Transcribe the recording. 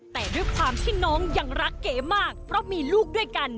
แต่ด้วยความที่น้องยังรักเก๋มากเพราะมีลูกด้วยกัน